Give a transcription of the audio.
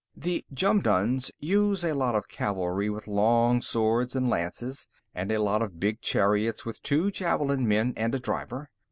"The Jumduns use a lot of cavalry, with long swords and lances, and a lot of big chariots with two javelin men and a driver.